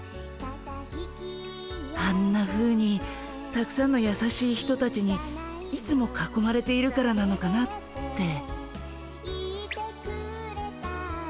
あんなふうにたくさんのやさしい人たちにいつもかこまれているからなのかなって。